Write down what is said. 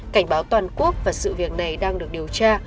cảnh báo toàn quốc và sự việc này đang được điều tra